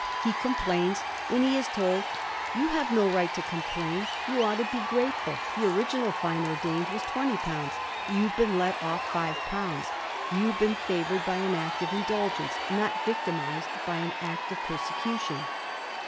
He com plains, and he is told, * You have no right to complain ; you ought to be grateful ; the original fine ordained was twenty poimds ; you have been let off five pounds — you have been favoured by an act of in dulgence, not victimised by an act of persecution.'